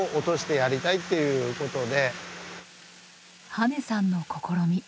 羽根さんの試み。